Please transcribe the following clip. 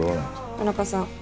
田中さん。